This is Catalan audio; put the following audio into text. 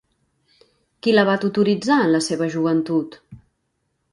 Qui la va tutoritzar en la seva joventut?